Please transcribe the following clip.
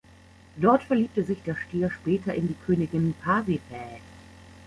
Dort verliebte sich der Stier später in die Königin Pasiphae.